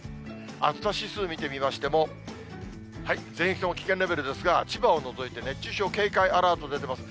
暑さ指数見てみましても、全域とも危険レベルですが、千葉を除いて熱中症警戒アラート出てます。